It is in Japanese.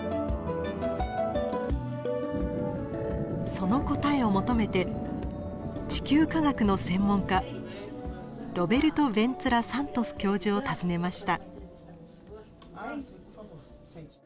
その答えを求めて地球科学の専門家ロベルト・ヴェンツラ・サントス教授を訪ねました。